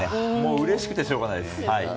うれしくてしょうがないです。